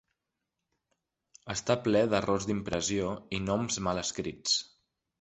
Està ple d'errors d'impressió i noms mal escrits.